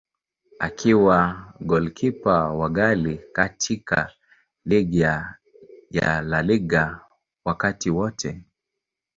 Akiwa golikipa wa ghali katika ligi ya La Liga wakati wote.